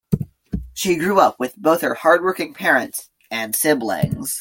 She grew up with both her hardworking parents and siblings.